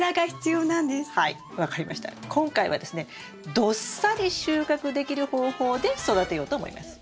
今回はですねどっさり収穫できる方法で育てようと思います。